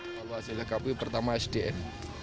evaluasi dari kpu pertama sdm